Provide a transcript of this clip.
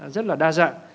rất là đa dạng